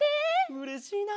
うれしいな！